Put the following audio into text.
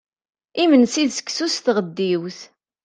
Imensi d seksu s tɣeddiwt.